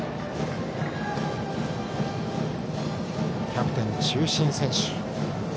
キャプテン、中心選手。